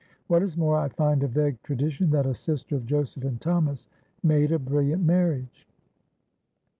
What is more, I find a vague tradition that a sister of Joseph and Thomas made a brilliant marriage."